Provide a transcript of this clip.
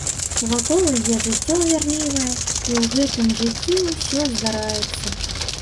Вакол ідзе жыццё вірлівае, і ў гэтым жыцці ўсё здараецца.